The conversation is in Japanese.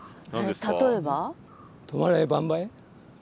例えば？